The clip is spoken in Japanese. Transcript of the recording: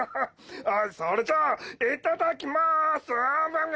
それじゃいただきます！